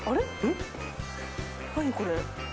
何これ。